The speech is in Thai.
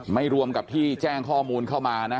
รวมกับที่แจ้งข้อมูลเข้ามานะ